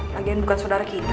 lagian bukan saudara kita